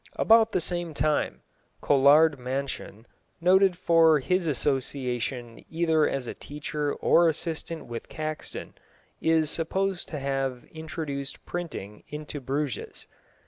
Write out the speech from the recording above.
About the same time, Colard Mansion, noted for his association either as teacher or assistant with Caxton, is supposed to have introduced printing into Bruges.